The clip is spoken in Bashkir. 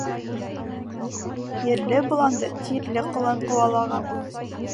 Ерле боланды тирле ҡолан ҡыуалаған.